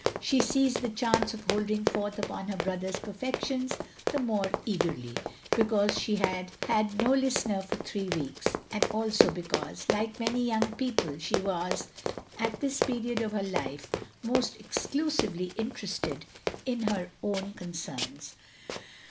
She seized the chance of holding forth upon her brother's perfections the more eagerly, because she had had no listener for three weeks ; and also because, like many yotmg people, she was at this period of her life almost exclusively interested in her own 54 THE LONELY LADY concerns.